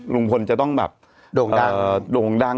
ลุงพลจะต้องแบบโด่งดัง